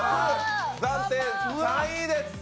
暫定３位です。